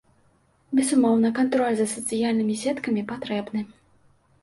Безумоўна, кантроль за сацыяльнымі сеткамі патрэбны.